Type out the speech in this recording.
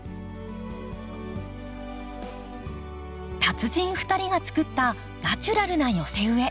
達人２人が作ったナチュラルな寄せ植え。